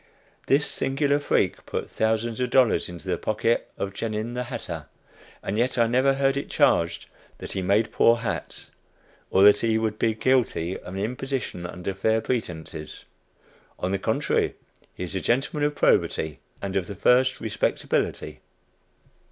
This singular freak put thousands of dollars into the pocket of "Genin, the hatter," and yet I never heard it charged that he made poor hats, or that he would be guilty of an "imposition under fair pretences." On the contrary, he is a gentleman of probity, and of the first respectability.